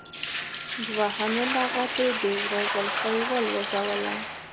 دوهمې لغتې د وره زولفی والوزوله.